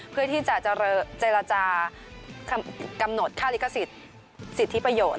เพื่อที่จะเจรจากำหนดค่าลิขสิทธิสิทธิประโยชน์